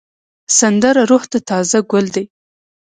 سندره روح ته تازه ګل دی